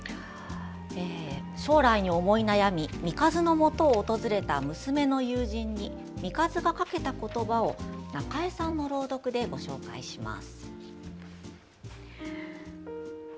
将来に思い悩みミカズのもとを訪れた娘の友人にミカズがかけた言葉を中江さんの朗読でご紹介します。